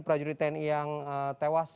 prajurit tni yang tewas